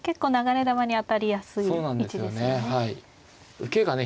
受けがね